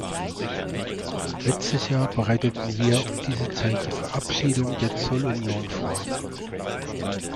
Letztes Jahr bereiteten wir um diese Zeit die Verabschiedung der Zollunion vor.